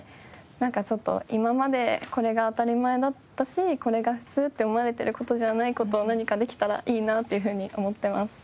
なんかちょっと今までこれが当たり前だったしこれが普通と思われている事じゃない事を何かできたらいいなというふうに思っています。